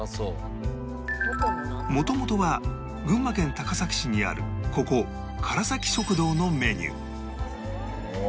元々は群馬県高崎市にあるここからさき食堂のメニュー